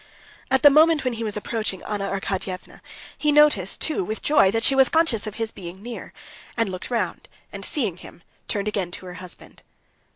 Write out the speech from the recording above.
At the moment when he was approaching Anna Arkadyevna he noticed too with joy that she was conscious of his being near, and looked round, and seeing him, turned again to her husband.